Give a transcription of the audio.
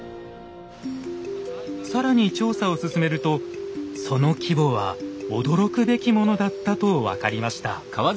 更に調査を進めるとその規模は驚くべきものだったと分かりました。